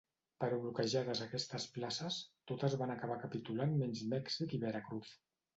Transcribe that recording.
Però bloquejades aquestes places, totes van acabar capitulant menys Mèxic i Veracruz.